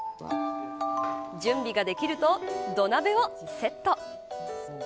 準備ができると土鍋をセット。